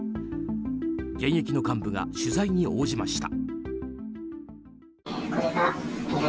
現役の幹部が取材に応じました。